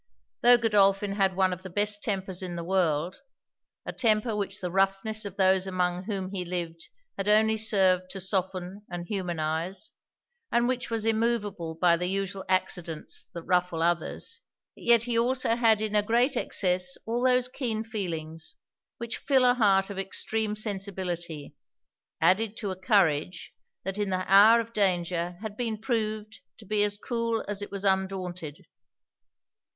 Tho' Godolphin had one of the best tempers in the world a temper which the roughness of those among whom he lived had only served to soften and humanize, and which was immovable by the usual accidents that ruffle others, yet he had also in a great excess all those keen feelings, which fill a heart of extreme sensibility; added to a courage, that in the hour of danger had been proved to be as cool as it was undaunted.